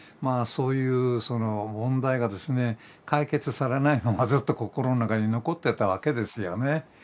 そういうその問題がですね解決されないままずっと心の中に残ってたわけですよね。